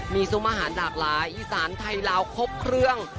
มีซุ้มอาหารหลากหลายอีสานไทยลาวครบเครื่อง